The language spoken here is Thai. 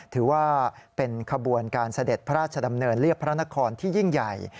ถือว่าเป็นขบวนการเสด็จพระราชดำเนินเรียบพระนครที่ยิ่งใหญ่